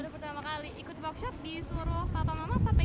baru pertama kali ikut workshop disuruh papa mama apa pengen sendiri